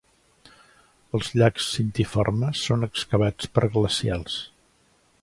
Els llacs cintiformes són excavats per glacials.